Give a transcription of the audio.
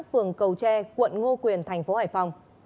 phường cầu tre quận ngô quyền thành phố hải phòng